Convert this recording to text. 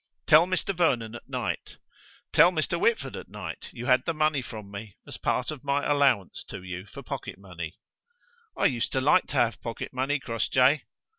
Tell Mr. Vernon at night tell Mr. Whitford at night you had the money from me as part of my allowance to you for pocket money. I used to like to have pocket money, Crossjay.